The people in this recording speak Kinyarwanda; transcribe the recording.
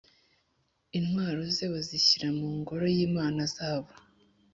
Intwaro ze bazishyira mu ngoro y imana zabo